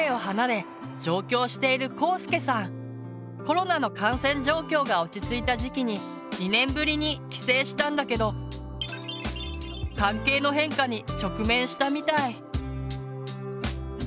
コロナの感染状況が落ち着いた時期に２年ぶりに帰省したんだけど関係の変化に直面したみたい。